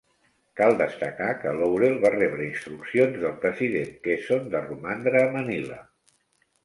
Cal destacar que Laurel va rebre instruccions del president Quezon de romandre a Manila.